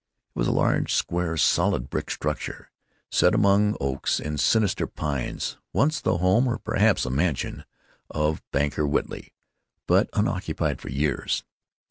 It was a large, square, solid brick structure, set among oaks and sinister pines, once the home, or perhaps the mansion, of Banker Whiteley, but unoccupied for years.